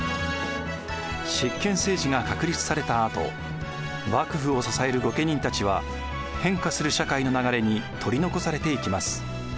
執権政治が確立されたあと幕府を支える御家人たちは変化する社会の流れに取り残されていきます。